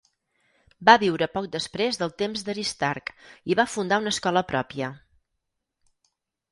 Va viure poc després del temps d'Aristarc i va fundar una escola pròpia.